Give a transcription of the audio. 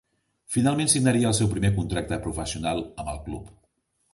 Finalment signaria el seu primer contracte professional amb el club.